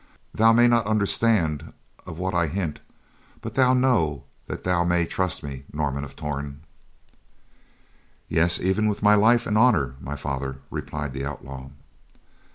Thou may not understand of what I hint, but thou know that thou may trust me, Norman of Torn." "Yea, even with my life and honor, my father," replied the outlaw.